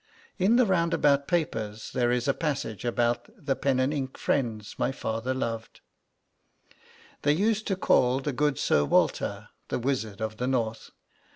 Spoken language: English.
In the 'Roundabout Papers' there is a passage about the pen and ink friends my father loved: 'They used to call the good Sir Walter the "Wizard of the North."